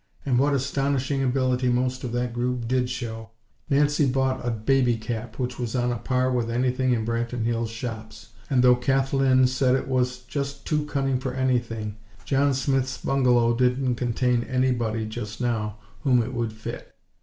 And what astonishing ability most of that group did show! Nancy bought a baby cap which was on a par with anything in Branton Hills' shops; and though Kathlyn said it was "just too cunning for anything", John Smith's bungalow didn't contain anybody (just now!) whom it would fit.